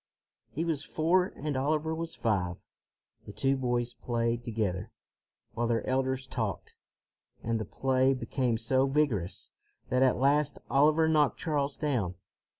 He was four and Oliver was five. The two boys played together, while their elders talked, and the play became so vigorous that at last Oliver knocked Charles down.